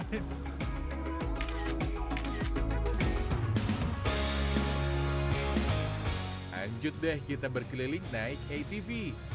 lanjut deh kita berkeliling naik atv